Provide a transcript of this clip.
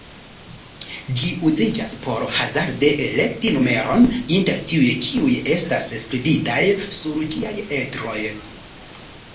Ĝi uziĝas por hazarde elekti numeron inter tiuj kiuj estas skribitaj sur ĝiaj edroj.